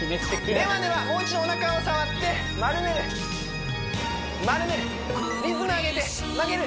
ではではもう一度おなかを触って丸める丸めるリズム上げて曲げる